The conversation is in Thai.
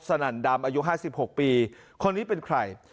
สนั่นดำอายุห้าสิบหกปีคนนี้เป็นใคร